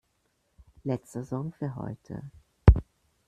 Letzter Song für heute!